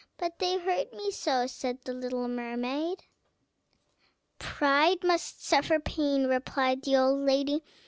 "But they hurt me so," said the little mermaid. "Pride must suffer pain," replied the old lady.